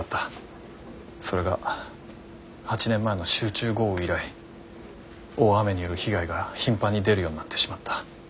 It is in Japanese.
それが８年前の集中豪雨以来大雨による被害が頻繁に出るようになってしまった。